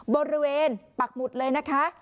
บริเวณปักหมุดเลยนะคะ